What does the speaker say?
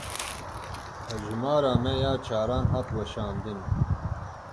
Hejmara me ya çaran hat weşandin.